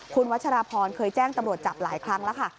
คุณวัชราพรเคยแจ้งตำรวจจับหลายครั้งแล้วค่ะ